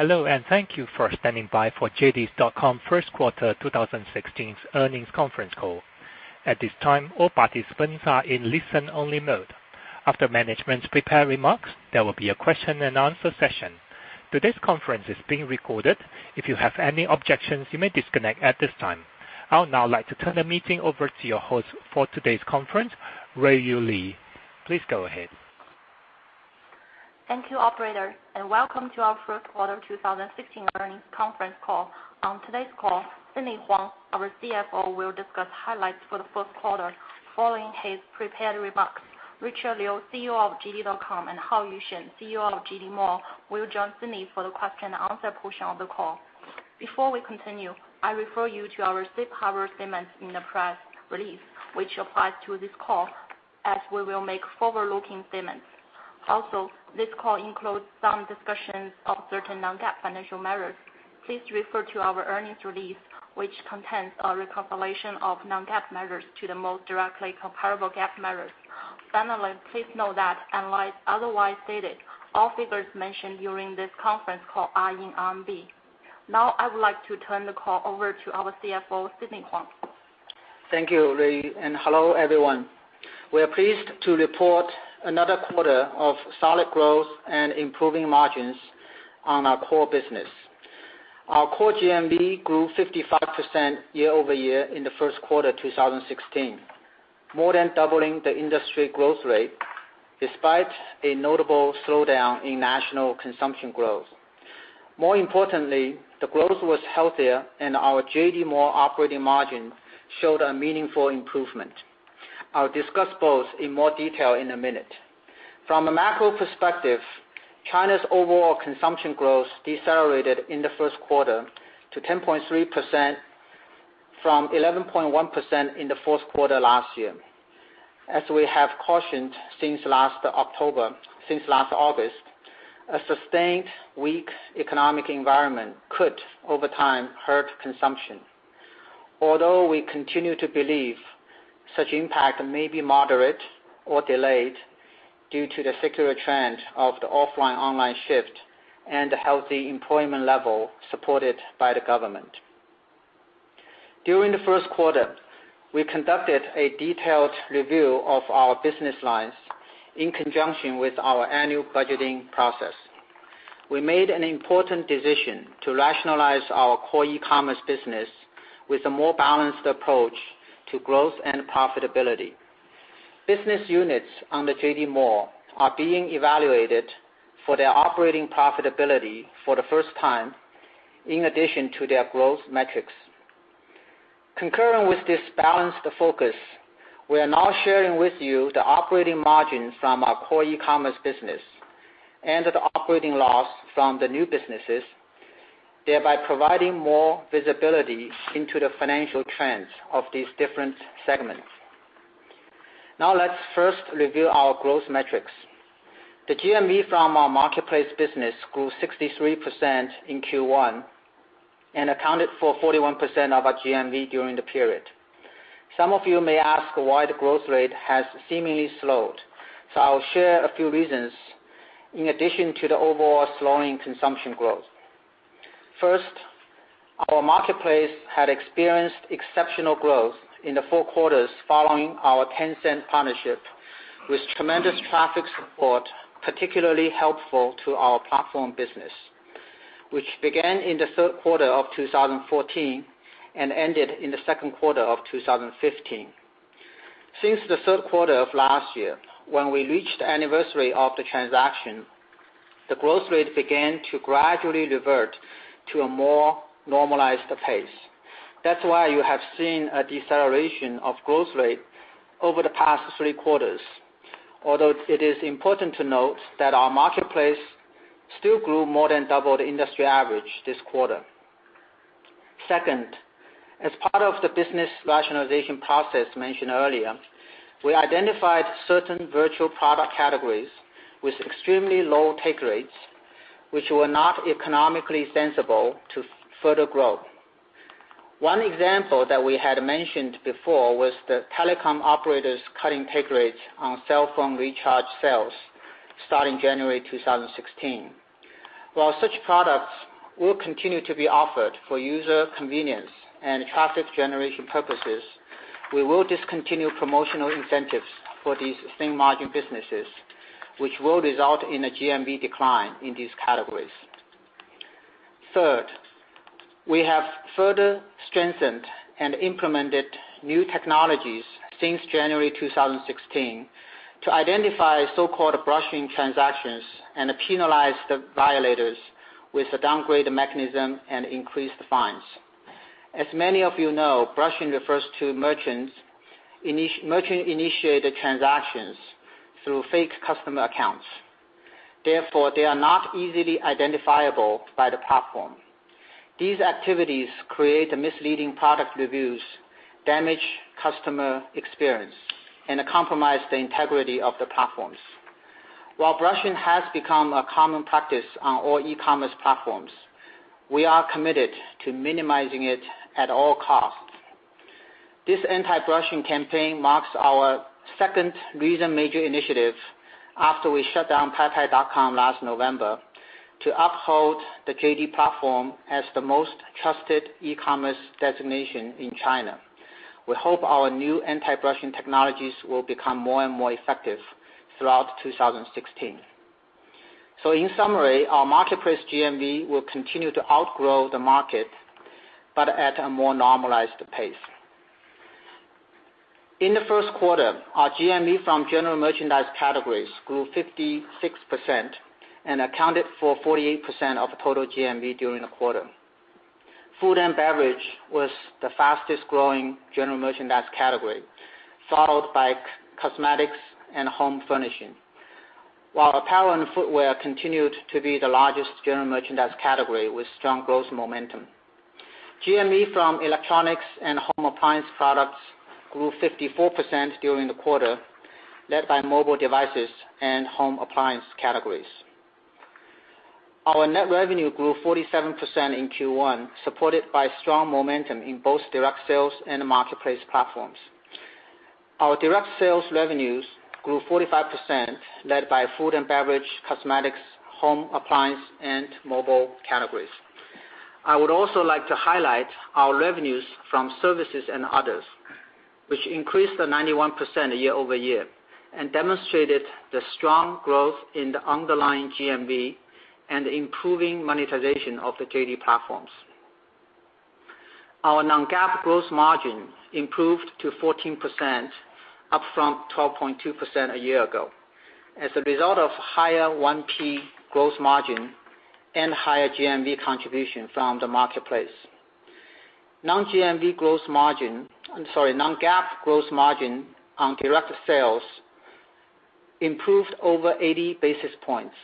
Hello, thank you for standing by for JD.com first quarter 2016 earnings conference call. At this time, all participants are in listen-only mode. After management's prepared remarks, there will be a question-and-answer session. Today's conference is being recorded. If you have any objections, you may disconnect at this time. I would now like to turn the meeting over to your host for today's conference, Ruiyu Li. Please go ahead. Thank you, operator. Welcome to our first quarter 2016 earnings conference call. On today's call, Sidney Huang, our CFO, will discuss highlights for the first quarter following his prepared remarks. Richard Liu, CEO of JD.com, and Shen Haoyu, CEO of JD Mall, will join Sidney for the question and answer portion of the call. Before we continue, I refer you to our safe harbor statements in the press release, which applies to this call, as we will make forward-looking statements. This call includes some discussions of certain non-GAAP financial measures. Please refer to our earnings release, which contains a reconciliation of non-GAAP measures to the most directly comparable GAAP measures. Finally, please note that unless otherwise stated, all figures mentioned during this conference call are in RMB. I would like to turn the call over to our CFO, Sidney Huang. Thank you, Ruiyu. Hello, everyone. We are pleased to report another quarter of solid growth and improving margins on our core business. Our core GMV grew 55% year-over-year in the first quarter 2016, more than doubling the industry growth rate despite a notable slowdown in national consumption growth. More importantly, the growth was healthier, and our JD Mall operating margin showed a meaningful improvement. I will discuss both in more detail in a minute. From a macro perspective, China's overall consumption growth decelerated in the first quarter to 10.3% from 11.1% in the fourth quarter last year. As we have cautioned since last August, a sustained weak economic environment could, over time, hurt consumption. Although we continue to believe such impact may be moderate or delayed due to the secular trend of the offline-online shift and the healthy employment level supported by the government. During the first quarter, we conducted a detailed review of our business lines in conjunction with our annual budgeting process. We made an important decision to rationalize our core e-commerce business with a more balanced approach to growth and profitability. Business units on the JD Mall are being evaluated for their operating profitability for the first time in addition to their growth metrics. Concurrent with this balanced focus, we are now sharing with you the operating margin from our core e-commerce business and the operating loss from the new businesses, thereby providing more visibility into the financial trends of these different segments. Let's first review our growth metrics. The GMV from our marketplace business grew 63% in Q1 and accounted for 41% of our GMV during the period. Some of you may ask why the growth rate has seemingly slowed. I'll share a few reasons in addition to the overall slowing consumption growth. First, our marketplace had experienced exceptional growth in the four quarters following our Tencent partnership, with tremendous traffic support particularly helpful to our platform business, which began in the third quarter of 2014 and ended in the second quarter of 2015. Since the third quarter of last year, when we reached the anniversary of the transaction, the growth rate began to gradually revert to a more normalized pace. That is why you have seen a deceleration of growth rate over the past three quarters. It is important to note that our marketplace still grew more than double the industry average this quarter. Second, as part of the business rationalization process mentioned earlier, we identified certain virtual product categories with extremely low take rates, which were not economically sensible to further growth. One example that we had mentioned before was the telecom operators cutting take rates on cell phone recharge sales starting January 2016. Such products will continue to be offered for user convenience and traffic generation purposes. We will discontinue promotional incentives for these thin-margin businesses, which will result in a GMV decline in these categories. Third, we have further strengthened and implemented new technologies since January 2016 to identify so-called brushing transactions and penalize the violators with a downgrade mechanism and increased fines. Many of you know, brushing refers to merchant-initiated transactions through fake customer accounts. They are not easily identifiable by the platform. These activities create misleading product reviews, damage customer experience, and compromise the integrity of the platforms. Brushing has become a common practice on all e-commerce platforms. We are committed to minimizing it at all costs. This anti-brushing campaign marks our second recent major initiative after we shut down Paipai.com last November to uphold the JD.com platform as the most trusted e-commerce destination in China. We hope our new anti-brushing technologies will become more and more effective throughout 2016. In summary, our marketplace GMV will continue to outgrow the market but at a more normalized pace. In the first quarter, our GMV from general merchandise categories grew 56% and accounted for 48% of total GMV during the quarter. Food and beverage was the fastest-growing general merchandise category, followed by cosmetics and home furnishing. Apparel and footwear continued to be the largest general merchandise category with strong growth momentum. GMV from electronics and home appliance products grew 54% during the quarter, led by mobile devices and home appliance categories. Our net revenue grew 47% in Q1, supported by strong momentum in both direct sales and marketplace platforms. Our direct sales revenues grew 45%, led by food and beverage, cosmetics, home appliance, and mobile categories. I would also like to highlight our revenues from services and others, which increased by 91% year-over-year, and demonstrated the strong growth in the underlying GMV and improving monetization of the JD.com platforms. Our non-GAAP gross margin improved to 14%, up from 12.2% a year ago, as a result of higher 1P gross margin and higher GMV contribution from the marketplace. Non-GAAP gross margin on direct sales improved over 80 basis points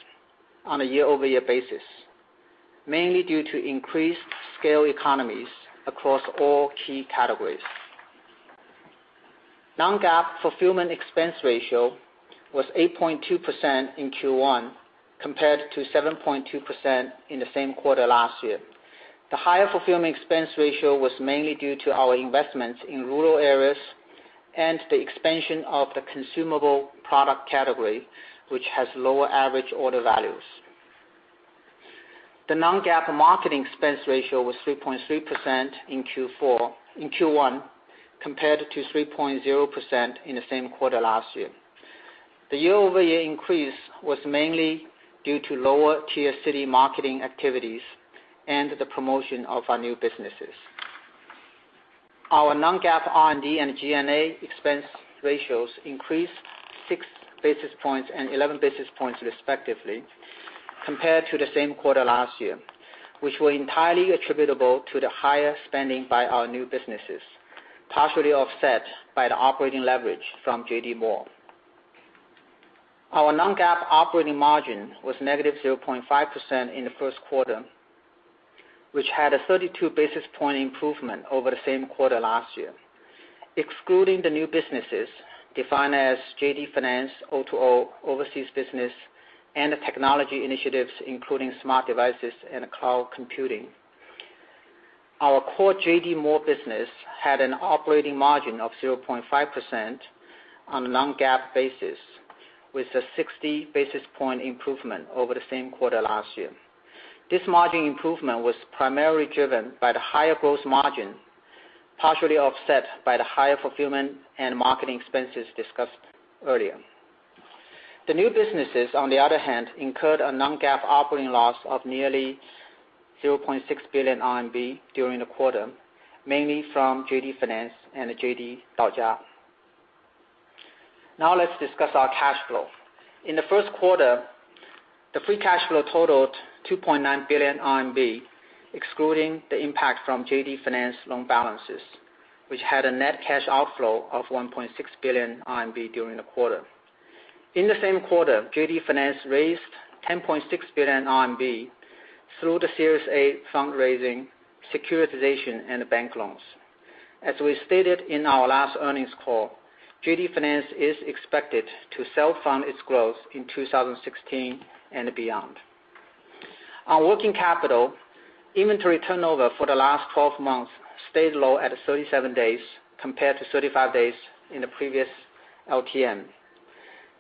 on a year-over-year basis, mainly due to increased scale economies across all key categories. Non-GAAP fulfillment expense ratio was 8.2% in Q1, compared to 7.2% in the same quarter last year. The higher fulfillment expense ratio was mainly due to our investments in rural areas and the expansion of the consumable product category, which has lower average order values. The non-GAAP marketing expense ratio was 3.3% in Q1, compared to 3.0% in the same quarter last year. The year-over-year increase was mainly due to lower tier city marketing activities and the promotion of our new businesses. Our non-GAAP R&D and G&A expense ratios increased 6 basis points and 11 basis points respectively compared to the same quarter last year, which were entirely attributable to the higher spending by our new businesses, partially offset by the operating leverage from JD Mall. Our non-GAAP operating margin was negative 0.5% in the first quarter, which had a 32 basis point improvement over the same quarter last year. Excluding the new businesses defined as JD Finance, O2O, overseas business, and the technology initiatives, including smart devices and cloud computing. Our core JD Mall business had an operating margin of 0.5% on a non-GAAP basis with a 60 basis point improvement over the same quarter last year. This margin improvement was primarily driven by the higher gross margin, partially offset by the higher fulfillment and marketing expenses discussed earlier. The new businesses, on the other hand, incurred a non-GAAP operating loss of nearly 0.6 billion RMB during the quarter, mainly from JD Finance and the JD Daojia. Now let's discuss our cash flow. In the first quarter, the free cash flow totaled 2.9 billion RMB, excluding the impact from JD Finance loan balances, which had a net cash outflow of 1.6 billion RMB during the quarter. In the same quarter, JD Finance raised 10.6 billion RMB through the Series A fundraising, securitization, and the bank loans. As we stated in our last earnings call, JD Finance is expected to self-fund its growth in 2016 and beyond. Our working capital inventory turnover for the last 12 months stayed low at 37 days compared to 35 days in the previous LTM.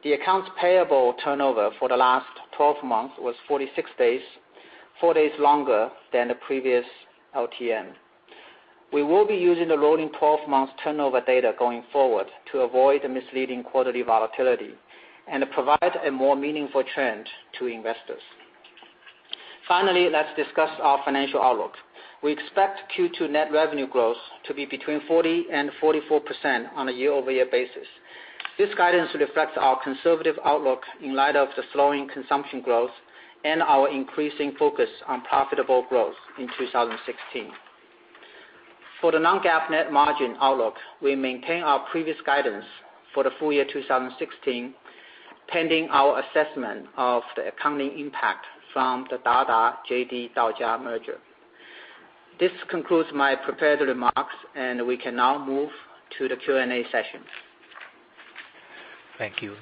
The accounts payable turnover for the last 12 months was 46 days, four days longer than the previous LTM. We will be using the rolling 12 months turnover data going forward to avoid misleading quarterly volatility and provide a more meaningful trend to investors. Finally, let's discuss our financial outlook. We expect Q2 net revenue growth to be between 40% and 44% on a year-over-year basis. This guidance reflects our conservative outlook in light of the slowing consumption growth and our increasing focus on profitable growth in 2016. For the non-GAAP net margin outlook, we maintain our previous guidance for the full year 2016, pending our assessment of the accounting impact from the Dada-JD Daojia merger. This concludes my prepared remarks, and we can now move to the Q&A session. Thank you.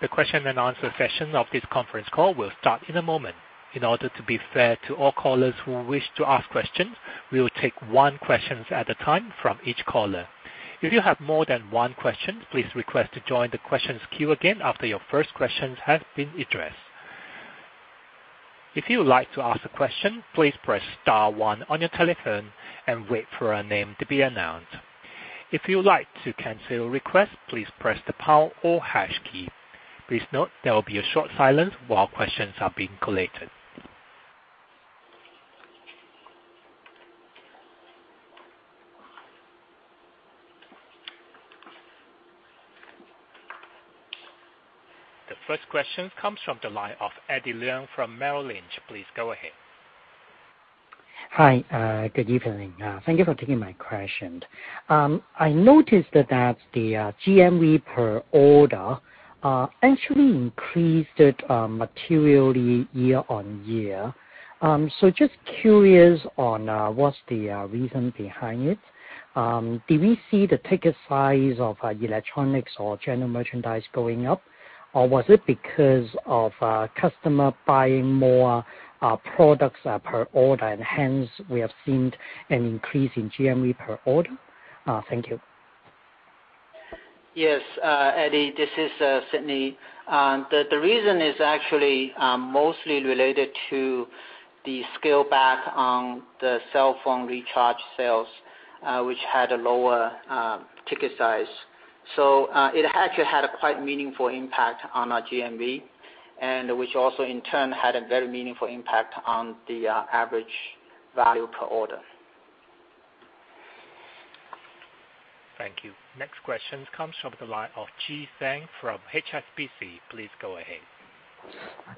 The question-and-answer session of this conference call will start in a moment. In order to be fair to all callers who wish to ask questions, we will take one question at a time from each caller. If you have more than one question, please request to join the questions queue again after your first question has been addressed. If you would like to ask a question, please press star one on your telephone and wait for your name to be announced. If you would like to cancel a request, please press the pound or hash key. Please note there will be a short silence while questions are being collated. The first question comes from the line of Eddie Leung from Merrill Lynch. Please go ahead. Hi. Good evening. Thank you for taking my question. I noticed that the GMV per order actually increased materially year-on-year. Just curious on what's the reason behind it. Did we see the ticket size of electronics or general merchandise going up, or was it because of customer buying more products per order, hence we have seen an increase in GMV per order? Thank you. Yes, Eddie, this is Sidney. The reason is actually mostly related to the scale back on the cell phone recharge sales, which had a lower ticket size. It actually had a quite meaningful impact on our GMV, which also in turn had a very meaningful impact on the average value per order. Thank you. Next question comes from the line of Chi Zhang from HSBC. Please go ahead.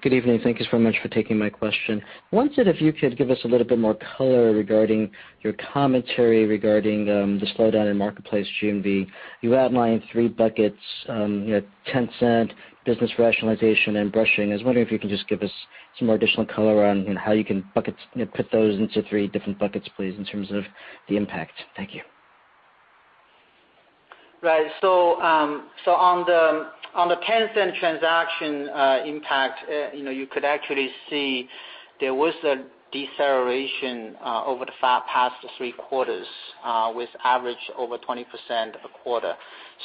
Good evening. Thank you so much for taking my question. I wondered if you could give us a little bit more color regarding your commentary regarding the slowdown in marketplace GMV. You outlined three buckets, Tencent, business rationalization, and brushing. I was wondering if you could just give us some more additional color on how you can put those into three different buckets, please, in terms of the impact. Thank you. Right. On the Tencent transaction impact, you could actually see there was a deceleration over the past three quarters with average over 20% a quarter.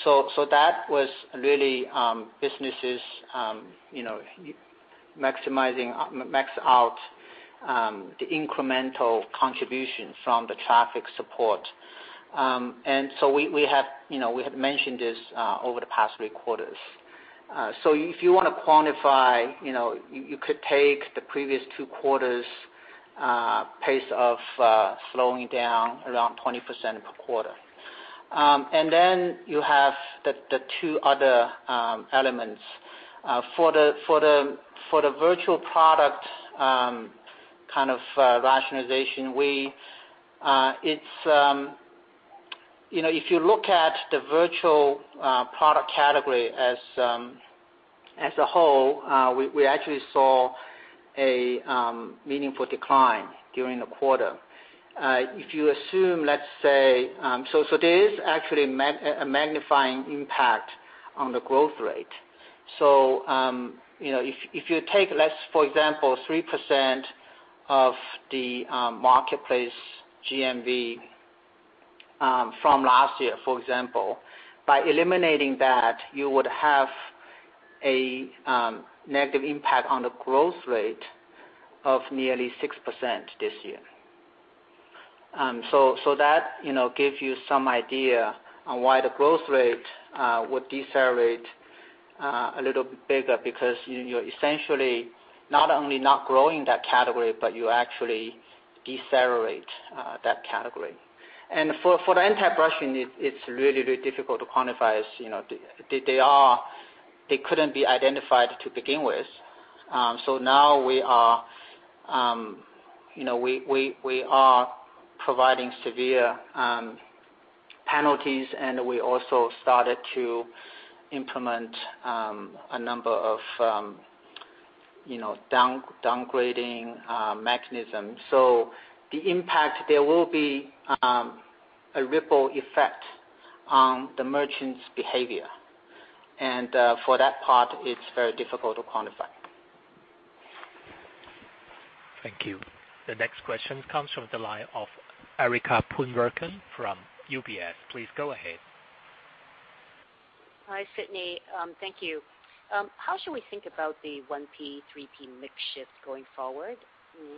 That was really businesses max out the incremental contribution from the traffic support. We have mentioned this over the past three quarters. If you want to quantify, you could take the previous two quarters' pace of slowing down around 20% per quarter. You have the two other elements. For the virtual product kind of rationalization, if you look at the virtual product category as a whole, we actually saw a meaningful decline during the quarter. If you assume, let's say, there is actually a magnifying impact on the growth rate. If you take less, for example, 3% of the marketplace GMV from last year, for example, by eliminating that, you would have a negative impact on the growth rate of nearly 6% this year. That gives you some idea on why the growth rate would decelerate a little bit bigger, because you're essentially not only not growing that category, but you actually decelerate that category. For the anti-brushing, it's really difficult to quantify, as they couldn't be identified to begin with. Now we are providing severe penalties, and we also started to implement a number of downgrading mechanisms. The impact, there will be a ripple effect on the merchants' behavior. For that part, it's very difficult to quantify. Thank you. The next question comes from the line of Erica Poon Werkun from UBS. Please go ahead. Hi, Sidney. Thank you. How should we think about the 1P, 3P mix shift going forward?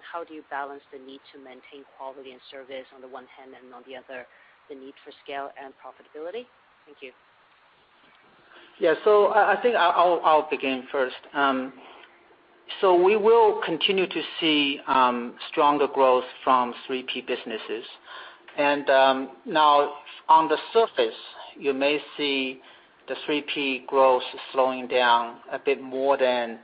How do you balance the need to maintain quality and service on the one hand and on the other, the need for scale and profitability? Thank you. Yeah. I think I'll begin first. We will continue to see stronger growth from 3P businesses. Now on the surface, you may see the 3P growth slowing down a bit more than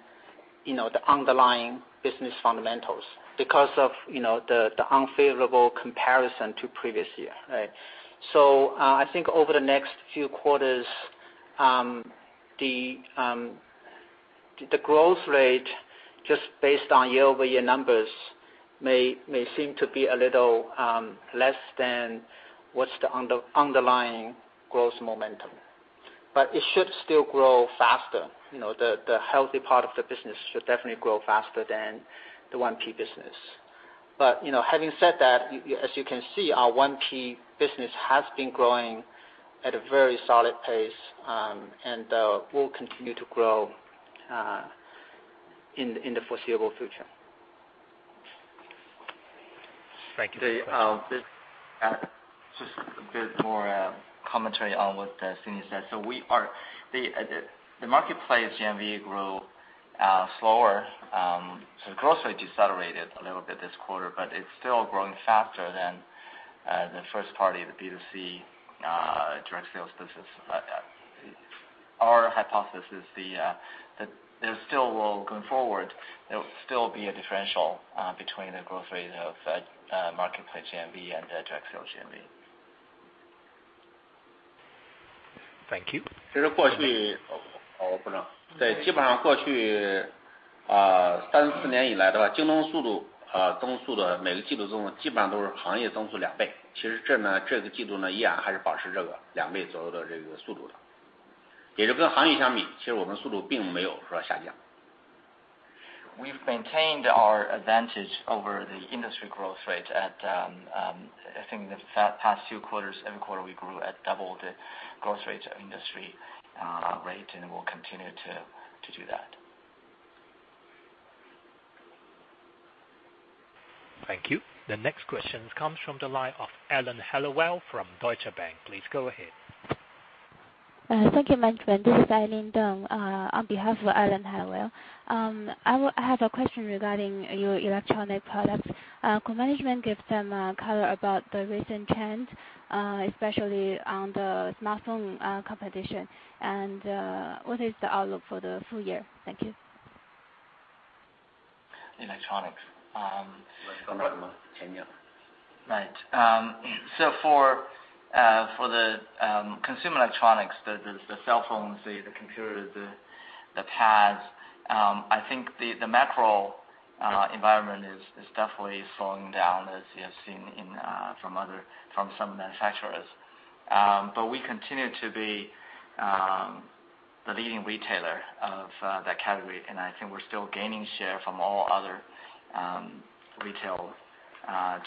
the underlying business fundamentals because of the unfavorable comparison to previous year. Right. I think over the next few quarters, the growth rate, just based on year-over-year numbers, may seem to be a little less than what's the underlying growth momentum. It should still grow faster. The healthy part of the business should definitely grow faster than the 1P business. Having said that, as you can see, our 1P business has been growing at a very solid pace, and will continue to grow in the foreseeable future. Thank you. Just a bit more commentary on what Sidney said. The marketplace GMV grew slower. Growth rate decelerated a little bit this quarter, it's still growing faster than the first party, the B2C, direct sales business. Our hypothesis is that going forward, there will still be a differential between the growth rate of marketplace GMV and the direct sales GMV. Thank you. We've maintained our advantage over the industry growth rate at, I think, the past few quarters. Every quarter, we grew at double the growth rate of industry rate, and we'll continue to do that. Thank you. The next question comes from the line of Alan Hellawell from Deutsche Bank. Please go ahead. Thank you, management. This is Aileen Dung on behalf of Alan Hellawell. I have a question regarding your electronic products. Could management give some color about the recent trends, especially on the smartphone competition, and what is the outlook for the full year? Thank you. Right. For the consumer electronics, the cell phones, the computers, the pads, I think the macro environment is definitely slowing down, as you have seen from some manufacturers. We continue to be the leading retailer of that category, and I think we're still gaining share from all other retail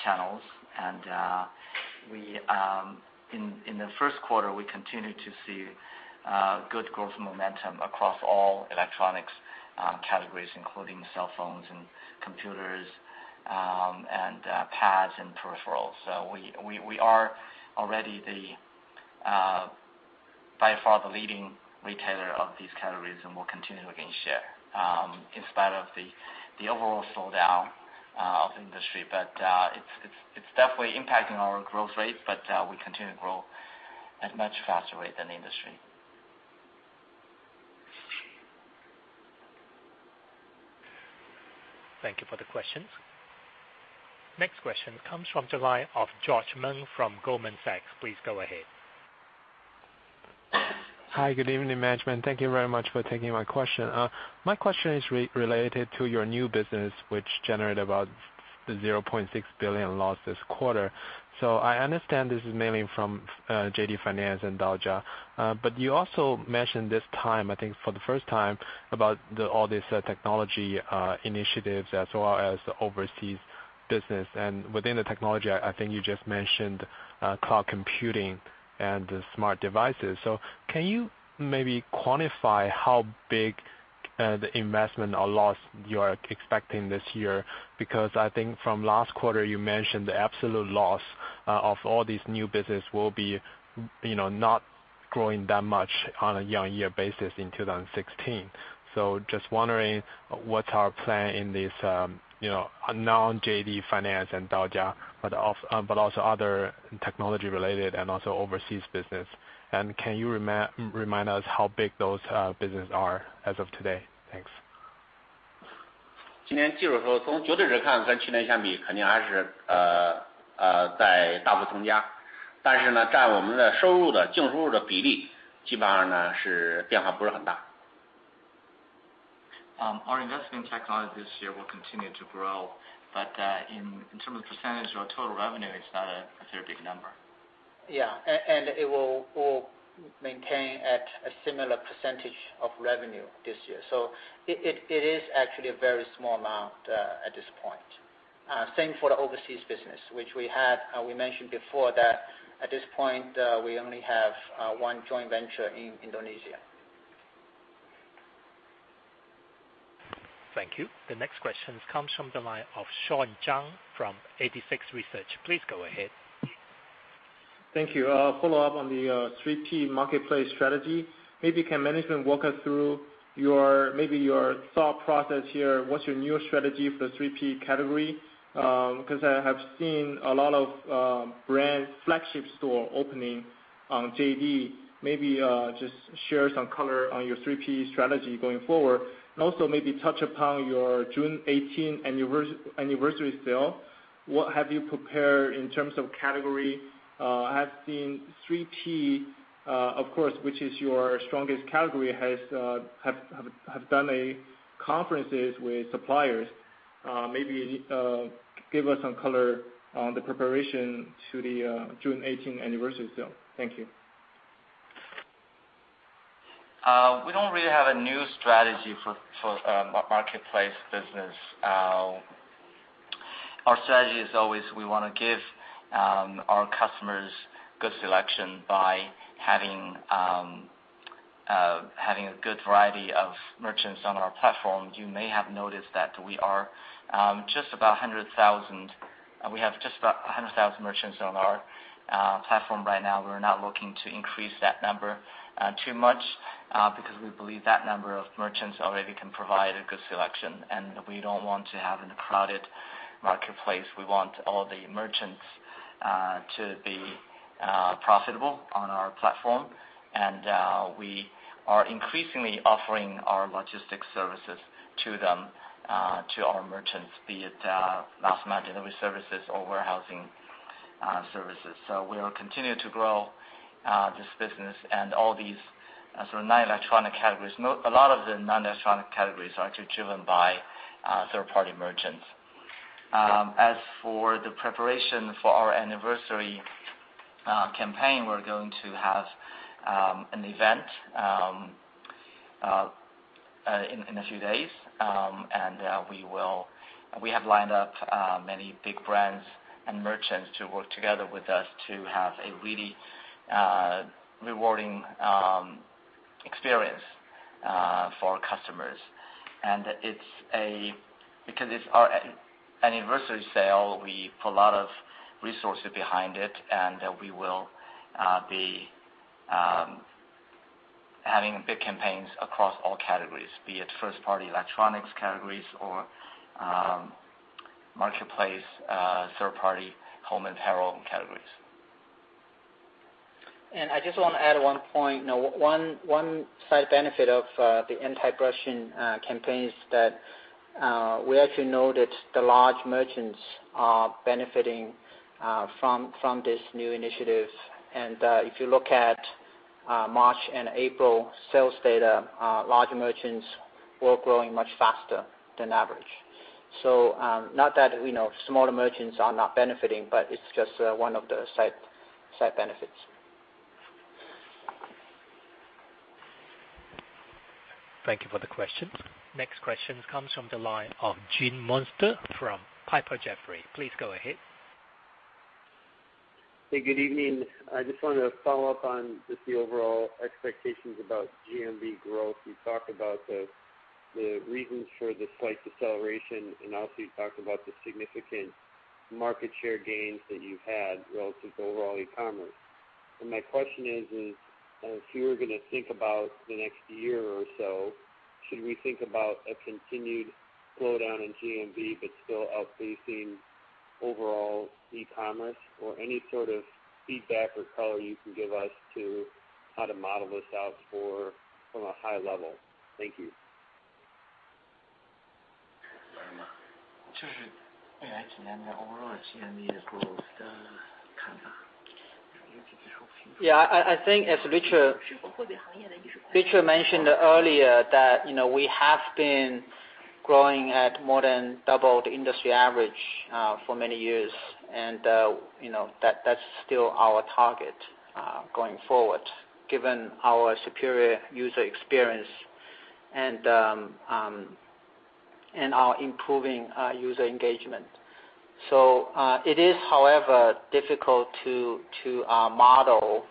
channels. In the first quarter, we continued to see good growth momentum across all electronics categories, including cell phones and computers, and pads and peripherals. We are already by far the leading retailer of these categories, and we're continuing to gain share in spite of the overall slowdown of industry. It's definitely impacting our growth rate, but we continue to grow at a much faster rate than the industry. Thank you for the question. Next question comes from the line of George Meng from Goldman Sachs. Please go ahead. Hi, good evening, management. Thank you very much for taking my question. My question is related to your new business, which generated about the 0.6 billion loss this quarter. I understand this is mainly from JD Finance and Daojia. You also mentioned this time, I think for the first time, about all these technology initiatives as well as the overseas business. Within the technology, I think you just mentioned cloud computing and the smart devices. Can you maybe quantify how big the investment or loss you are expecting this year? Because I think from last quarter, you mentioned the absolute loss of all these new business will be not growing that much on a year-on-year basis in 2016. Just wondering what's our plan in this, not on JD Finance and Daojia, but also other technology-related and also overseas business. Can you remind us how big those businesses are as of today? Thanks. Our investment in technology this year will continue to grow, but in terms of percentage of our total revenue, it's not a very big number. Yeah, it will maintain at a similar percentage of revenue this year. It is actually a very small amount at this point. Same for the overseas business, which we mentioned before that at this point, we only have one joint venture in Indonesia. Thank you. The next question comes from the line of Sean Zhang from 86Research. Please go ahead. Thank you. A follow-up on the 3P marketplace strategy. Maybe can management walk us through maybe your thought process here? What's your new strategy for the 3P category? I have seen a lot of brand flagship store opening on JD. Maybe just share some color on your 3P strategy going forward, and also maybe touch upon your June 18 anniversary sale. What have you prepared in terms of category? I have seen 3P, of course, which is your strongest category, have done conferences with suppliers. Maybe give us some color on the preparation to the June 18 anniversary sale. Thank you. We don't really have a new strategy for marketplace business. Our strategy is always we want to give our customers good selection by having a good variety of merchants on our platform. You may have noticed that we have just about 100,000 merchants on our platform right now. We're not looking to increase that number too much, because we believe that number of merchants already can provide a good selection, we don't want to have an crowded marketplace. We want all the merchants to be profitable on our platform, we are increasingly offering our logistics services to them, to our merchants, be it last mile delivery services or warehousing services. We'll continue to grow this business and all these non-electronic categories. A lot of the non-electronic categories are actually driven by third-party merchants. As for the preparation for our anniversary campaign, we're going to have an event in a few days. We have lined up many big brands and merchants to work together with us to have a really rewarding experience for our customers. Because it's our anniversary sale, we put a lot of resources behind it, we will be having big campaigns across all categories, be it first-party electronics categories or marketplace, third party, home apparel categories. I just want to add one point. One side benefit of the anti-brushing campaign is that we actually know that the large merchants are benefiting from this new initiative. If you look at March and April sales data, large merchants were growing much faster than average. Not that we know small merchants are not benefiting, but it's just one of the side benefits. Thank you for the question. Next question comes from the line of Gene Munster from Piper Jaffray. Please go ahead. Hey, good evening. I just wanted to follow up on just the overall expectations about GMV growth. You talked about the reasons for the slight deceleration. You talked about the significant market share gains that you've had relative to overall e-commerce. My question is, if you were going to think about the next year or so, should we think about a continued slowdown in GMV, but still outpacing overall e-commerce? Any sort of feedback or color you can give us to how to model this out from a high level. Thank you. I think as Richard mentioned earlier that we have been growing at more than double the industry average for many years, and that is still our target going forward, given our superior user experience and our improving user engagement. It is, however, difficult to model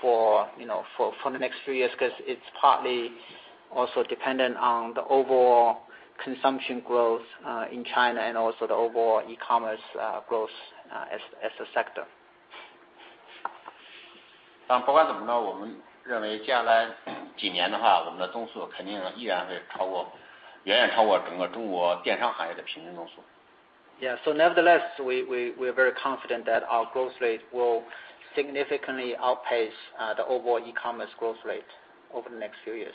for the next few years because it is partly also dependent on the overall consumption growth in China and also the overall e-commerce growth as a sector. Nevertheless, we are very confident that our growth rate will significantly outpace the overall e-commerce growth rate over the next few years.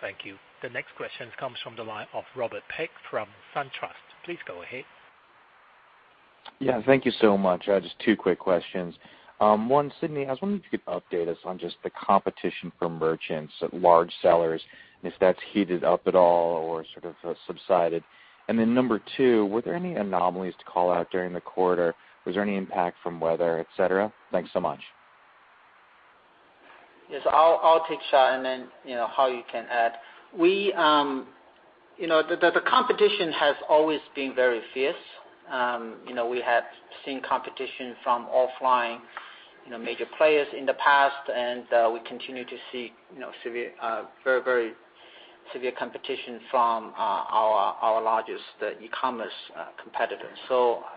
Thank you. The next question comes from the line of Robert Peck from SunTrust. Please go ahead. Thank you so much. Just two quick questions. One, Sidney, I was wondering if you could update us on just the competition for merchants, large sellers, and if that has heated up at all or sort of subsided. Number 2, were there any anomalies to call out during the quarter? Was there any impact from weather, et cetera? Thanks so much. Yes, I'll take a shot and then, Haoyu can add. The competition has always been very fierce. We have seen competition from offline major players in the past, and we continue to see very severe competition from our largest e-commerce competitors.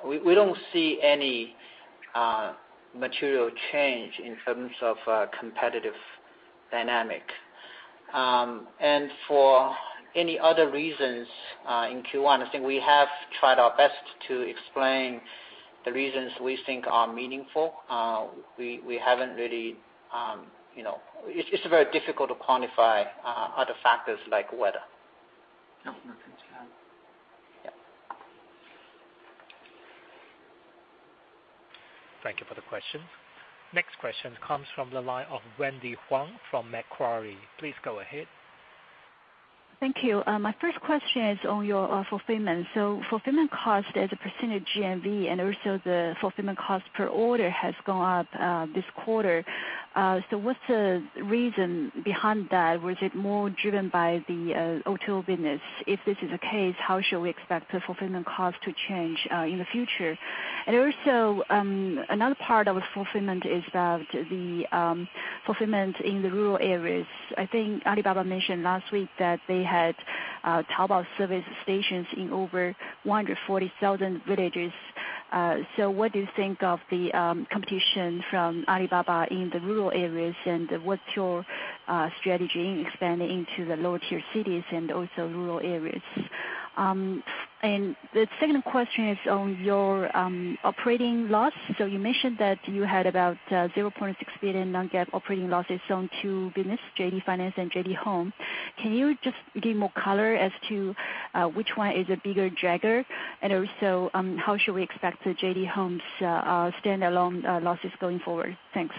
We don't see any material change in terms of competitive dynamic. For any other reasons, in Q1, I think we have tried our best to explain the reasons we think are meaningful. It's very difficult to quantify other factors like weather Thank you for the question. Next question comes from the line of Wendy Huang from Macquarie. Please go ahead. Thank you. My first question is on your fulfillment. Fulfillment cost as a percentage GMV and also the fulfillment cost per order has gone up this quarter. What's the reason behind that? Was it more driven by the O2O business? If this is the case, how should we expect the fulfillment cost to change in the future? Another part of fulfillment is about the fulfillment in the rural areas. I think Alibaba mentioned last week that they had Taobao service stations in over 140,000 villages. What do you think of the competition from Alibaba in the rural areas, and what's your strategy in expanding into the lower tier cities and also rural areas? The second question is on your operating loss. You mentioned that you had about 0.6 billion non-GAAP operating losses on two business, JD Finance and JD Daojia. Can you just give more color as to which one is a bigger dragger? Also, how should we expect the JD Daojia's standalone losses going forward? Thanks.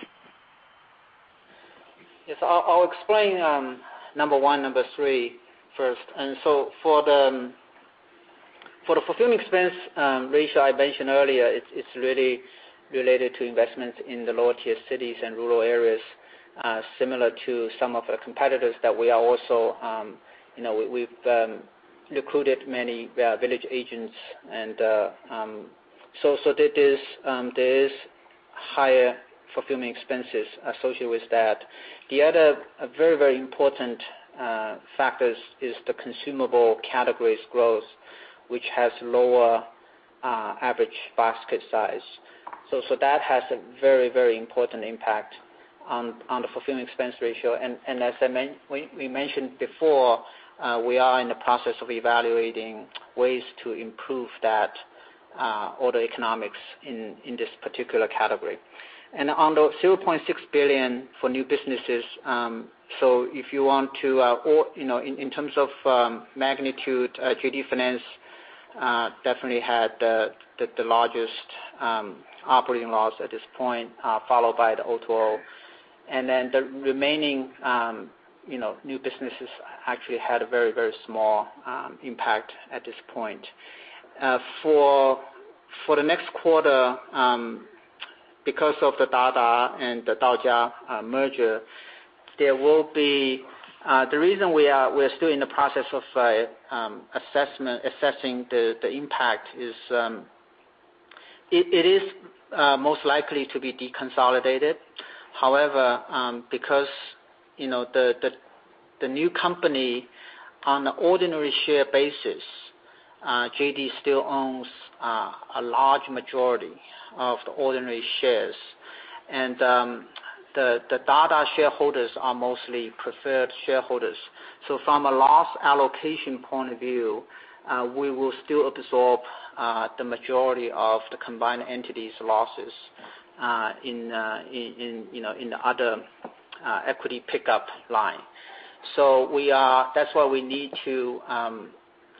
I'll explain number one, number three first. For the fulfillment expense ratio I mentioned earlier, it's really related to investments in the lower tier cities and rural areas, similar to some of the competitors that we've recruited many village agents. The other very important factors is the consumable categories growth, which has lower average basket size. That has a very important impact on the fulfillment expense ratio. As we mentioned before, we are in the process of evaluating ways to improve that order economics in this particular category. On the 0.6 billion for new businesses, if you want to In terms of magnitude, JD Finance definitely had the largest operating loss at this point, followed by the O2O. The remaining new businesses actually had a very small impact at this point. For the next quarter, because of the Dada and the Daojia merger, the reason we are still in the process of assessing the impact is, it is most likely to be deconsolidated. However, because the new company on an ordinary share basis, JD still owns a large majority of the ordinary shares. The Dada shareholders are mostly preferred shareholders. From a loss allocation point of view, we will still absorb the majority of the combined entities losses in the other equity pickup line. That's why we need to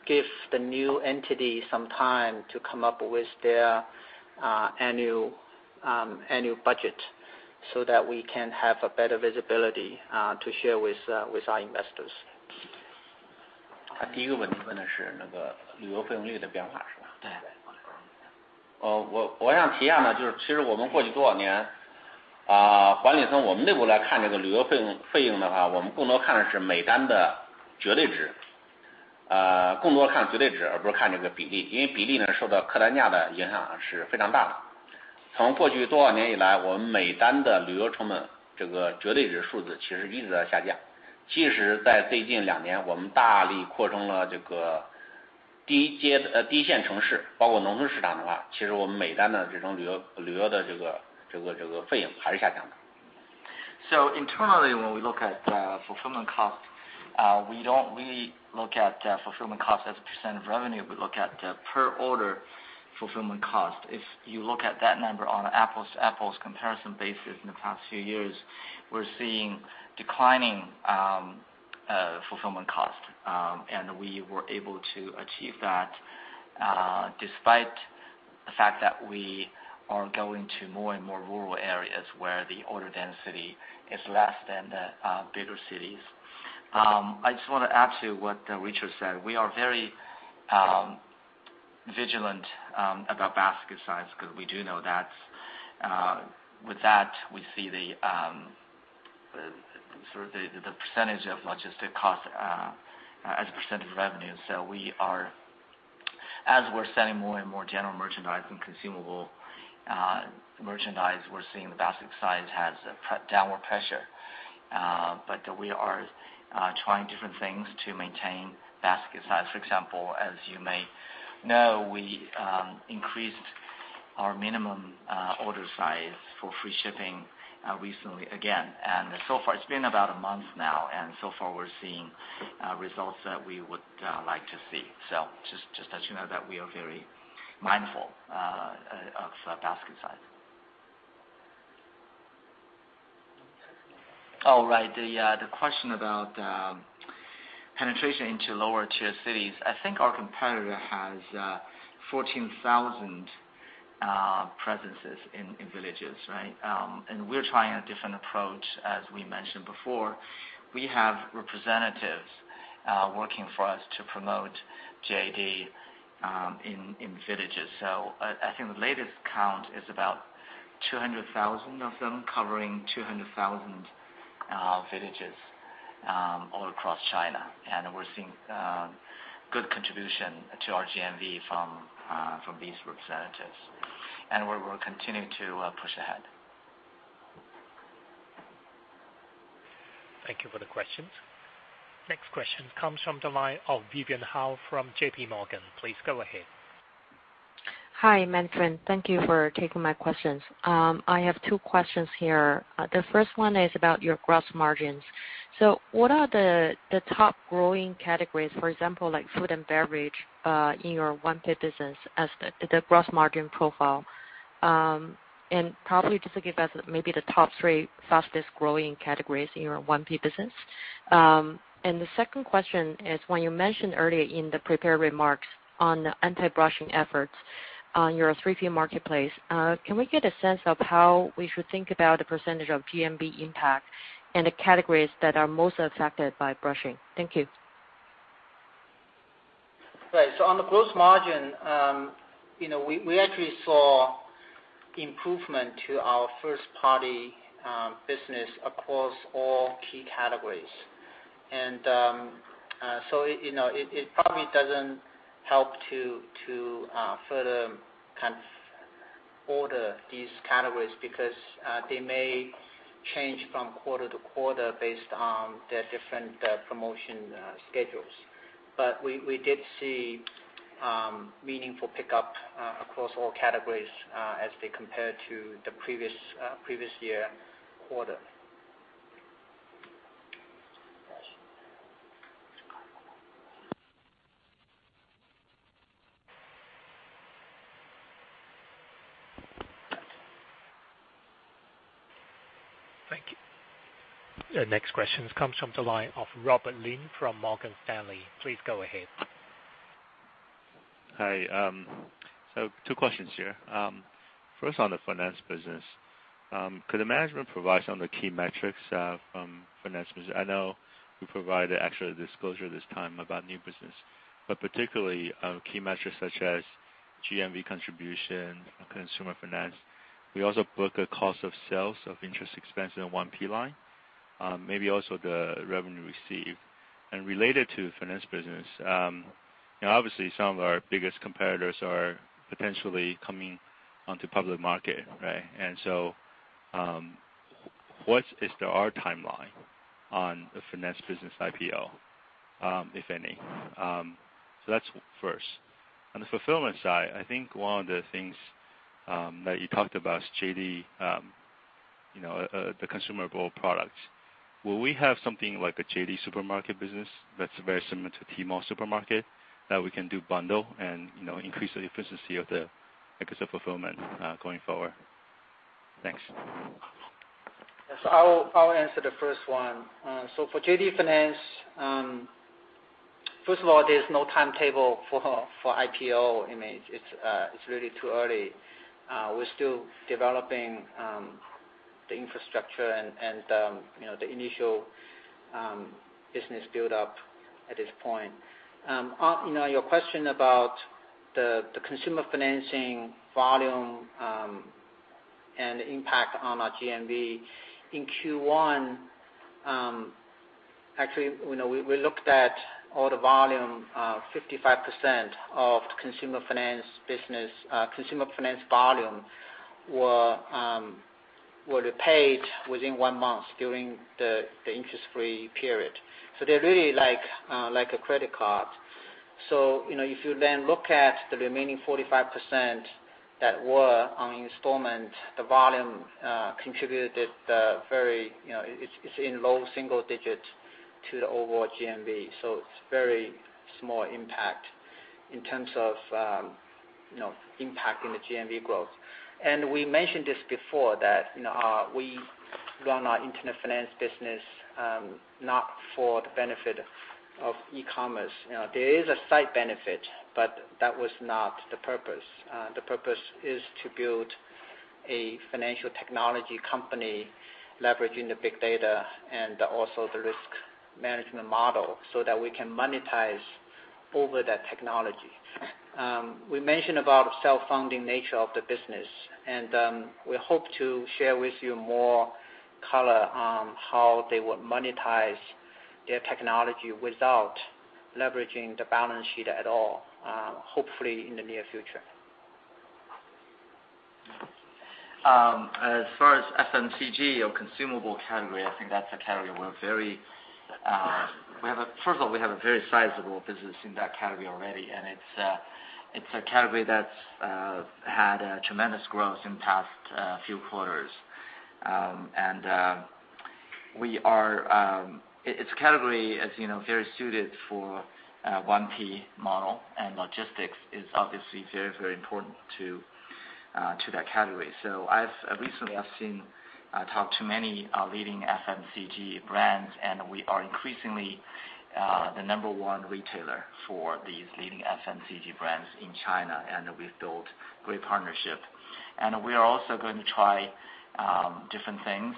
give the new entity some time to come up with their annual budget so that we can have a better visibility to share with our investors. Internally, when we look at fulfillment cost, we don't really look at fulfillment cost as a percent of revenue. We look at per order fulfillment cost. If you look at that number on an apples to apples comparison basis in the past few years, we're seeing declining fulfillment cost. We were able to achieve that, despite the fact that we are going to more and more rural areas where the order density is less than the bigger cities. I just want to add to what Richard said. We are very vigilant about basket size because we do know that with that, we see the sort of the percentage of logistic cost as a percent of revenue. As we're selling more and more general merchandise and consumable merchandise, we're seeing the basket size has downward pressure. We are trying different things to maintain basket size. For example, as you may know, we increased our minimum order size for free shipping recently again. It's been about a month now, so far we're seeing results that we would like to see. Just to let you know that we are very mindful of basket size. All right. The question about penetration into lower tier cities. I think our competitor has 14,000 presences in villages. We're trying a different approach, as we mentioned before. We have representatives working for us to promote JD in villages. I think the latest count is about 200,000 of them covering 200,000 villages all across China. We're seeing good contribution to our GMV from these representatives, and we will continue to push ahead. Thank you for the questions. Next question comes from the line of Vivian Hao from J.P. Morgan. Please go ahead. Hi, management. Thank you for taking my questions. I have two questions here. The first one is about your gross margins. What are the top growing categories, for example, like food and beverage, in your 1P business as the gross margin profile? Probably just to give us maybe the top three fastest-growing categories in your 1P business. The second question is, when you mentioned earlier in the prepared remarks on the anti-brushing efforts on your 3P marketplace, can we get a sense of how we should think about the percentage of GMV impact and the categories that are most affected by brushing? Thank you. Right. On the gross margin, we actually saw improvement to our first-party business across all key categories. It probably doesn't help to further kind of order these categories because they may change from quarter to quarter based on their different promotion schedules. We did see meaningful pickup across all categories as they compare to the previous year quarter. Thank you. The next question comes from the line of Robert Lin from Morgan Stanley. Please go ahead. Hi. Two questions here. First on the finance business, could the management provide some of the key metrics from finance business? I know you provided actual disclosure this time about new business, but particularly key metrics such as GMV contribution, consumer finance. We also book a cost of sales of interest expense in the 1P line. Maybe also the revenue received. Related to finance business, obviously some of our biggest competitors are potentially coming onto public market. What is our timeline on the finance business IPO, if any? That's first. On the fulfillment side, I think one of the things that you talked about is JD consumable products. Will we have something like a JD Supermarket business that's very similar to Tmall Supermarket that we can do bundle and increase the efficiency of the logistics fulfillment going forward? Thanks. I'll answer the first one. For JD Finance, first of all, there's no timetable for IPO. It's really too early. We're still developing the infrastructure and the initial business build-up at this point. On your question about the consumer financing volume, and impact on our GMV. In Q1, actually, we looked at all the volume, 55% of consumer finance volume were paid within one month during the interest-free period. They're really like a credit card. If you then look at the remaining 45% that were on installment, the volume contributed is in low single digits to the overall GMV. It's very small impact in terms of impacting the GMV growth. We mentioned this before, that we run our internet finance business not for the benefit of e-commerce. There is a side benefit, but that was not the purpose. The purpose is to build a financial technology company leveraging the big data and also the risk management model so that we can monetize over that technology. We mentioned about self-funding nature of the business, we hope to share with you more color on how they will monetize their technology without leveraging the balance sheet at all, hopefully in the near future. As far as FMCG or consumable category, I think that's a category. First of all, we have a very sizable business in that category already, and it's a category that's had a tremendous growth in past few quarters. It's a category, as you know, very suited for 1P model and logistics is obviously very important to To that category. Recently, I've talked to many leading FMCG brands, and we are increasingly the number one retailer for these leading FMCG brands in China, and we've built great partnership. We are also going to try different things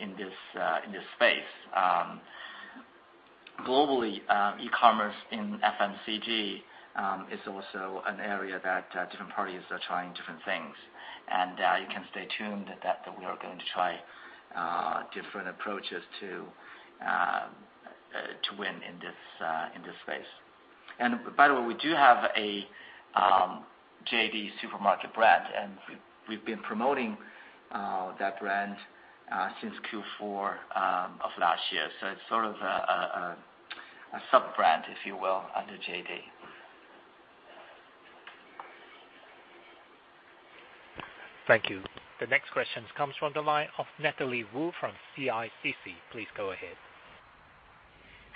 in this space. Globally, e-commerce in FMCG is also an area that different parties are trying different things. You can stay tuned that we are going to try different approaches to win in this space. By the way, we do have a JD Supermarket brand, and we've been promoting that brand since Q4 of last year. It's sort of a sub-brand, if you will, under JD. Thank you. The next question comes from the line of Natalie Wu from CICC. Please go ahead.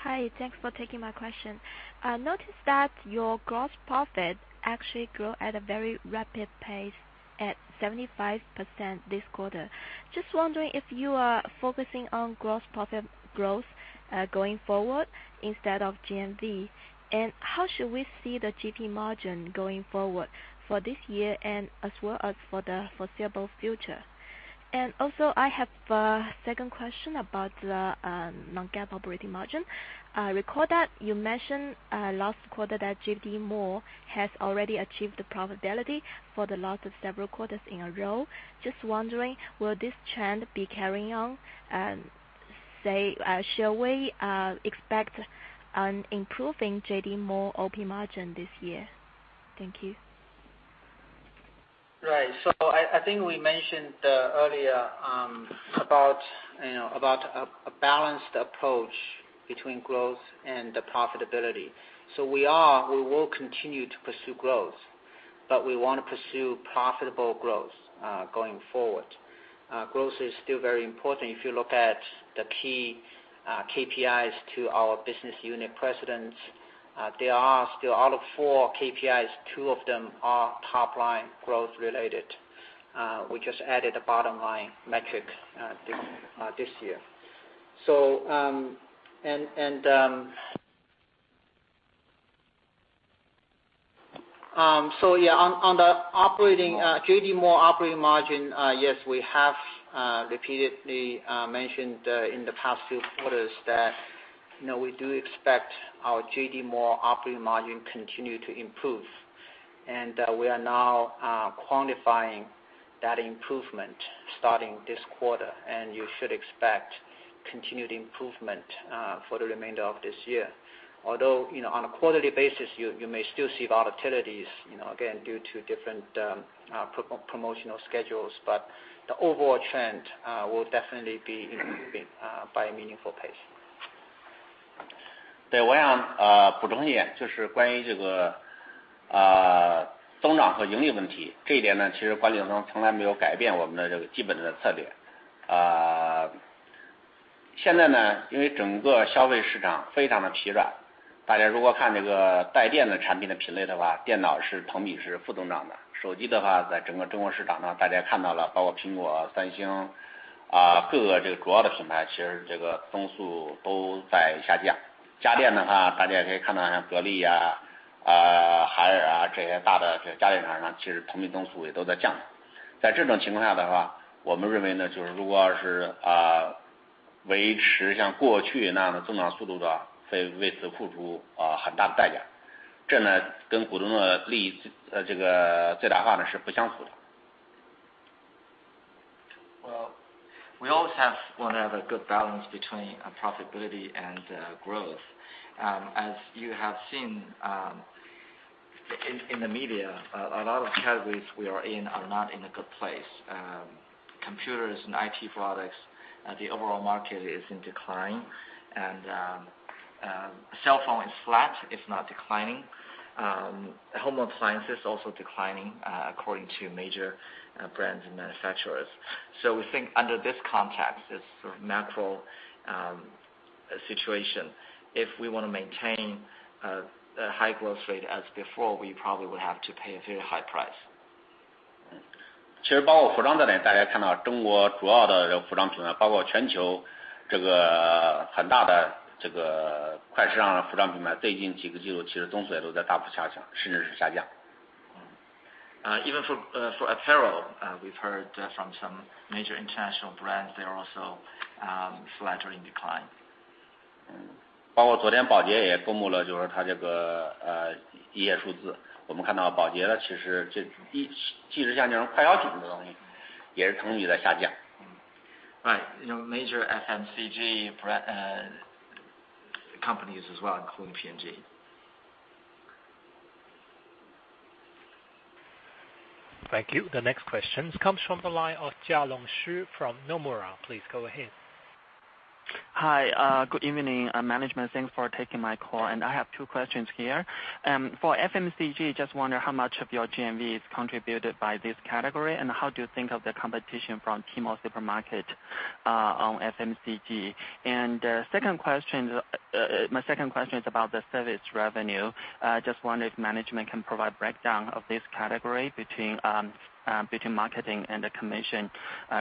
Hi, thanks for taking my question. I noticed that your gross profit actually grew at a very rapid pace at 75% this quarter. Just wondering if you are focusing on gross profit growth going forward instead of GMV. How should we see the GP margin going forward for this year and as well as for the foreseeable future? Also, I have a second question about the non-GAAP operating margin. I recall that you mentioned last quarter that JD Mall has already achieved profitability for the last several quarters in a row. Just wondering, will this trend be carrying on, and should we expect an improving JD Mall OP margin this year? Thank you. Right. I think we mentioned earlier about a balanced approach between growth and profitability. We will continue to pursue growth, but we want to pursue profitable growth going forward. Growth is still very important. If you look at the key KPIs to our business unit presidents, out of 4 KPIs, 2 of them are top-line growth related. We just added a bottom-line metric this year. On the JD Mall operating margin, yes, we have repeatedly mentioned in the past few quarters that we do expect our JD Mall operating margin continue to improve. We are now quantifying that improvement starting this quarter, and you should expect continued improvement for the remainder of this year. Although, on a quarterly basis, you may still see volatilities, again, due to different promotional schedules. The overall trend will definitely be improving by a meaningful pace. Well, we always want to have a good balance between profitability and growth. As you have seen in the media, a lot of categories we are in are not in a good place. Computers and IT products, the overall market is in decline. Cellphone is flat, if not declining. Home appliances also declining according to major brands and manufacturers. We think under this context, it's sort of natural situation. If we want to maintain a high growth rate as before, we probably will have to pay a very high price. Even for apparel, we've heard from some major international brands, they're also slightly in decline. Right. Major FMCG companies as well, including P&G. Thank you. The next question comes from the line of Jialong Shi from Nomura. Please go ahead. Hi. Good evening, management. Thanks for taking my call. I have 2 questions here. For FMCG, just wonder how much of your GMV is contributed by this category, and how do you think of the competition from Tmall Supermarket on FMCG? My 2nd question is about the service revenue. Just wonder if management can provide breakdown of this category between marketing and the commission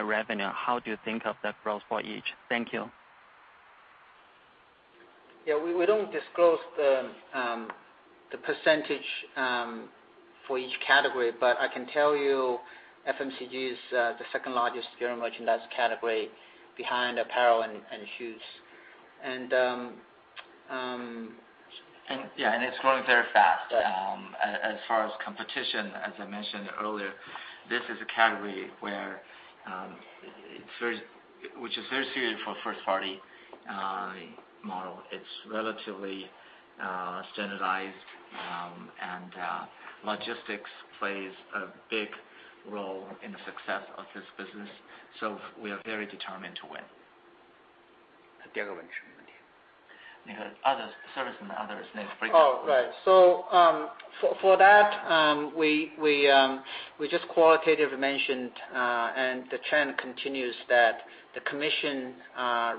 revenue. How do you think of the growth for each? Thank you. Yeah. We don't disclose the percentage for each category, but I can tell you FMCG is the second-largest general merchandise category behind apparel and shoes. Yeah, and it's growing very fast. Yeah. As far as competition, as I mentioned earlier, this is a category which is very suited for first-party model. It's relatively standardized, and logistics plays a big role in the success of this business, so we are very determined to win. The other, service and others. Next breakdown. Oh, right. For that, we just qualitatively mentioned, and the trend continues that the commission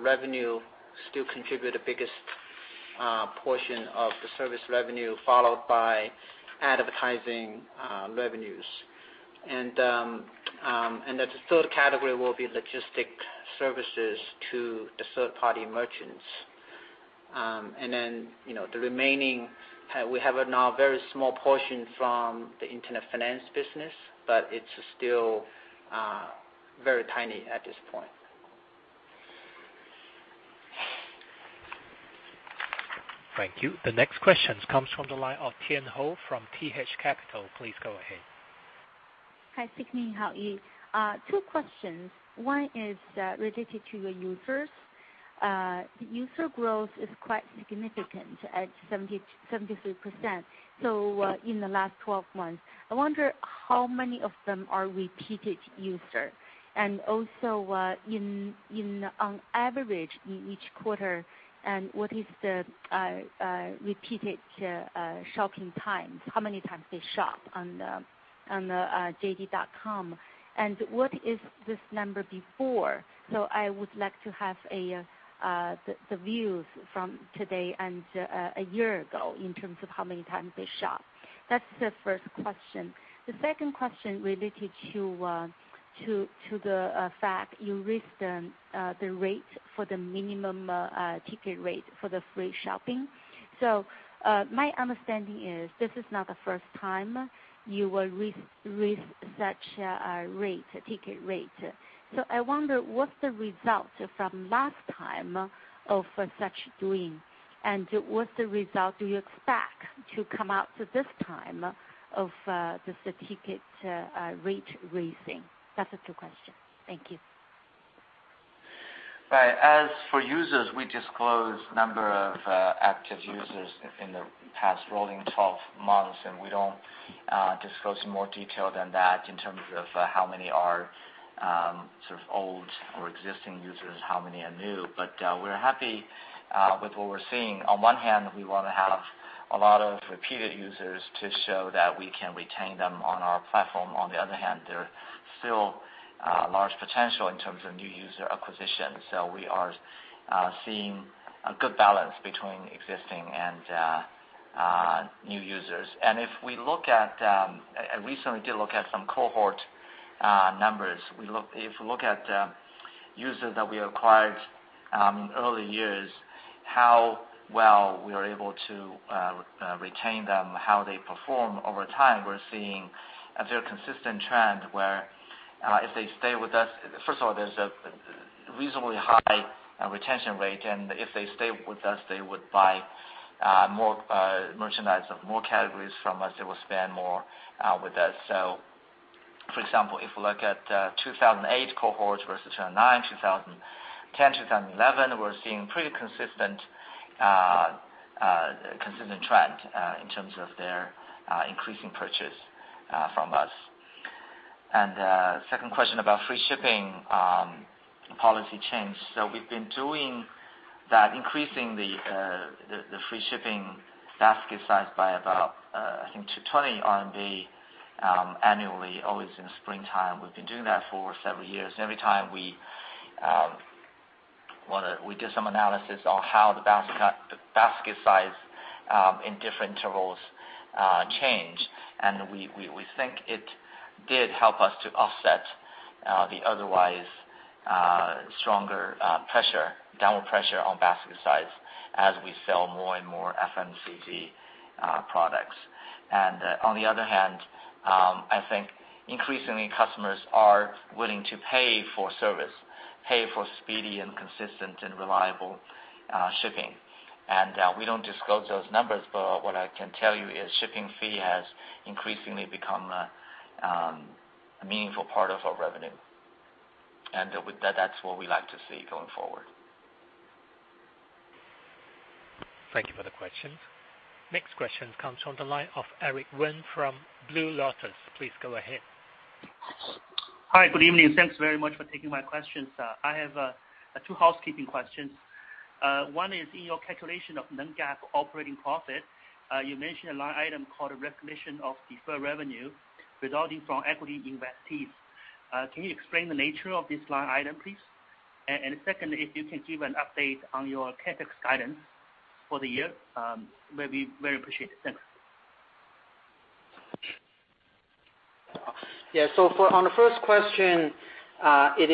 revenue still contribute the biggest portion of the service revenue, followed by advertising revenues. The third category will be logistic services to the third-party merchants. The remaining, we have now a very small portion from the internet finance business, but it's still very tiny at this point. Thank you. The next question comes from the line of Tian Hou from TH Capital. Please go ahead. Hi, Sidney. How are you? Two questions. One is related to your users. User growth is quite significant at 73% in the last 12 months. Also, on average in each quarter, what is the repeated shopping times? How many times they shop on the JD.com, and what is this number before? I would like to have the views from today and a year ago in terms of how many times they shop. That's the first question. The second question related to the fact you raised the rate for the minimum ticket rate for the free shopping. My understanding is this is not the first time you will raise such a rate, a ticket rate. I wonder, what's the result from last time of such doing, and what's the result do you expect to come out for this time of this ticket rate raising? That's the two question. Thank you. Right. As for users, we disclose number of active users in the past rolling 12 months, and we don't disclose in more detail than that in terms of how many are sort of old or existing users, how many are new. We're happy with what we're seeing. On one hand, we want to have a lot of repeated users to show that we can retain them on our platform. On the other hand, there are still large potential in terms of new user acquisition. We are seeing a good balance between existing and new users. We recently did look at some cohort numbers. If we look at users that we acquired in early years, how well we are able to retain them, how they perform over time, we're seeing a very consistent trend where if they stay with us First of all, there's a reasonably high retention rate, and if they stay with us, they would buy more merchandise of more categories from us. They will spend more with us. For example, if we look at 2008 cohorts versus 2009, 2010, 2011, we're seeing pretty consistent trend in terms of their increasing purchase from us. Second question about free shipping policy change. We've been doing that, increasing the free shipping basket size by about, I think, 220 RMB annually, always in springtime. We've been doing that for several years. Every time we did some analysis on how the basket size in different intervals change, we think it did help us to offset the otherwise stronger pressure, downward pressure on basket size as we sell more and more FMCG products. On the other hand, I think increasingly customers are willing to pay for service, pay for speedy and consistent, and reliable shipping. We don't disclose those numbers, but what I can tell you is shipping fee has increasingly become a meaningful part of our revenue, and that's what we like to see going forward. Thank you for the question. Next question comes from the line of Eric Wen from Blue Lotus. Please go ahead. Hi. Good evening. Thanks very much for taking my questions. I have two housekeeping questions. One is, in your calculation of non-GAAP operating profit, you mentioned a line item called a recognition of deferred revenue resulting from equity investees. Can you explain the nature of this line item, please? Secondly, if you can give an update on your CapEx guidance for the year, will be very appreciated. Thanks. On the first question, it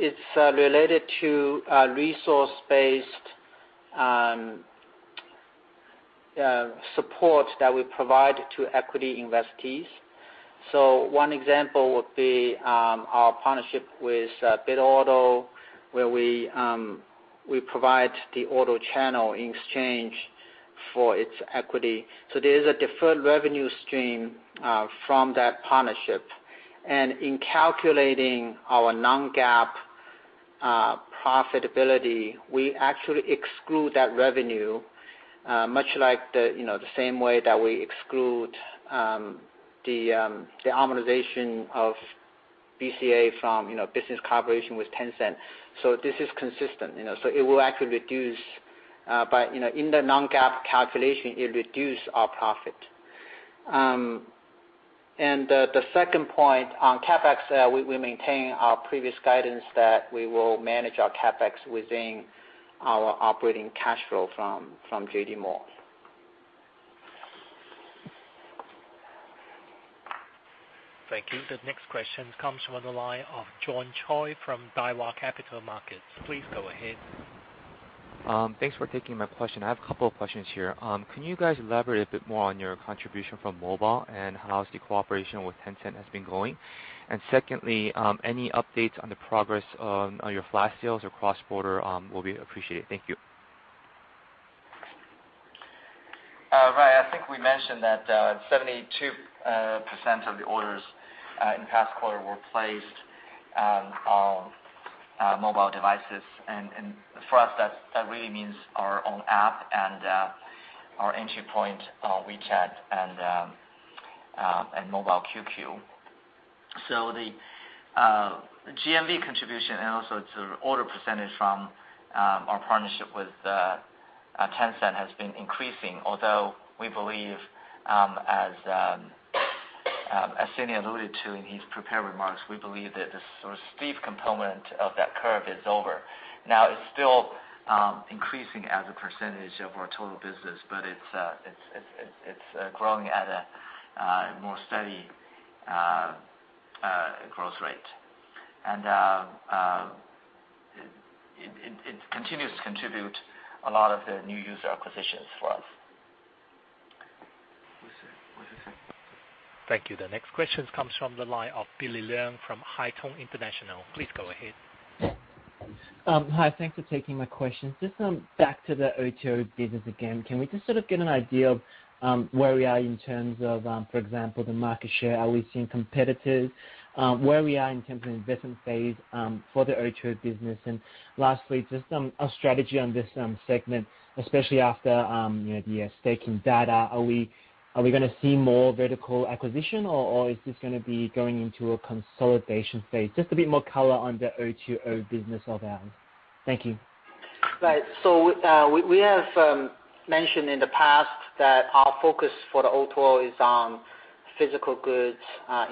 is related to resource-based support that we provide to equity investees. One example would be our partnership with Bitauto, where we provide the auto channel in exchange for its equity. There's a deferred revenue stream from that partnership. In calculating our non-GAAP profitability, we actually exclude that revenue, much like the same way that we exclude the amortization of BCA from business collaboration with Tencent. This is consistent. In the non-GAAP calculation, it reduce our profit. The second point on CapEx, we maintain our previous guidance that we will manage our CapEx within our operating cash flow from JD Mall. Thank you. The next question comes from the line of John Choi from Daiwa Capital Markets. Please go ahead. Thanks for taking my question. I have a couple of questions here. Can you guys elaborate a bit more on your contribution from mobile and how the cooperation with Tencent has been going? Secondly, any updates on the progress on your flash sales or cross-border will be appreciated. Thank you. I think we mentioned that 72% of the orders in the past quarter were placed on mobile devices. For us, that really means our own app and our entry point on WeChat and Mobile QQ. The GMV contribution and also the order percentage from our partnership with Tencent has been increasing, although as Sidney alluded to in his prepared remarks, we believe that the sort of steep component of that curve is over. It's still increasing as a percentage of our total business, but it's growing at a more steady growth rate. It continues to contribute a lot of the new user acquisitions for us. Thank you. The next question comes from the line of Billy Leung from Haitong International. Please go ahead. Hi. Thanks for taking my question. Just back to the O2O business again. Can we just sort of get an idea of where we are in terms of, for example, the market share? Are we seeing competitors? Where we are in terms of investment phase for the O2O business. Lastly, just a strategy on this segment, especially after the staking Dada. Are we going to see more vertical acquisition, or is this going to be going into a consolidation phase? Just a bit more color on the O2O business of ours. Thank you. Right. We have mentioned in the past that our focus for the O2O is on physical goods,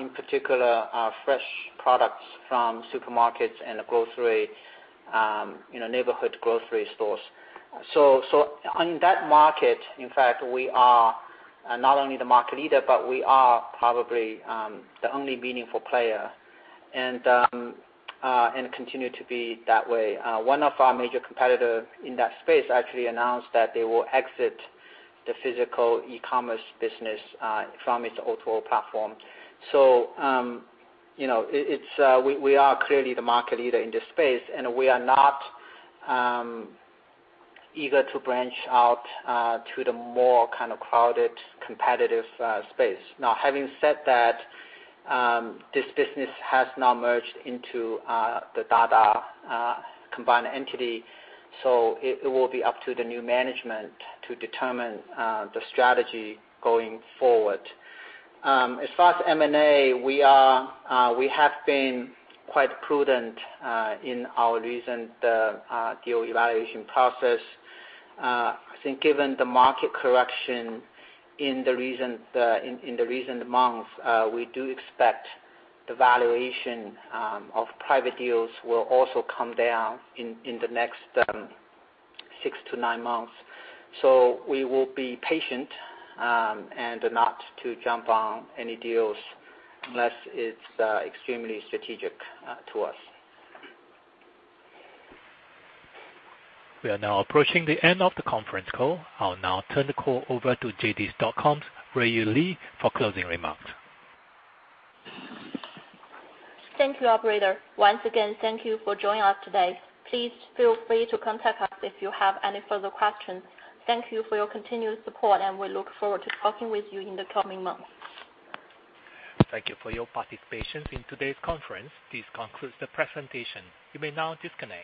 in particular, fresh products from supermarkets and neighborhood grocery stores. On that market, in fact, we are not only the market leader, but we are probably the only meaningful player and continue to be that way. One of our major competitor in that space actually announced that they will exit the physical e-commerce business from its O2O platform. We are clearly the market leader in this space, and we are not eager to branch out to the more kind of crowded, competitive space. Now, having said that, this business has now merged into the Dada combined entity. It will be up to the new management to determine the strategy going forward. As far as M&A, we have been quite prudent in our recent deal evaluation process. I think given the market correction in the recent months, we do expect the valuation of private deals will also come down in the next six to nine months. We will be patient and not to jump on any deals unless it's extremely strategic to us. We are now approaching the end of the conference call. I'll now turn the call over to JD.com's Ruiyu Li for closing remarks. Thank you, operator. Once again, thank you for joining us today. Please feel free to contact us if you have any further questions. Thank you for your continued support, and we look forward to talking with you in the coming months. Thank you for your participation in today's conference. This concludes the presentation. You may now disconnect.